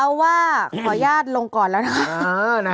เอาว่าขออนุญาตลงก่อนแล้วนะ